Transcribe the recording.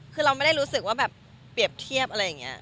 คือเราไม่ได้รู้สึกว่าแบบเปรียบเทียบอะไรอย่างนี้